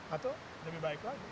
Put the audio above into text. atau lebih baik lagi